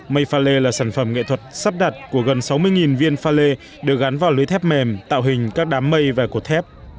mây pha lê là sản phẩm nghệ thuật sắp đặt của gần sáu mươi viên pha lê được gắn vào lưới thép mềm tạo hình các đám mây và cột thép